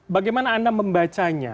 bagaimana anda membacanya